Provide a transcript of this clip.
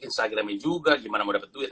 instagram nya juga gimana mau dapat duit